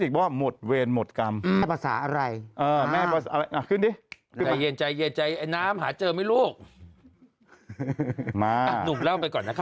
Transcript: นี่น้ำวันมันเตรียมรูปจากไหนนักหน่าวะ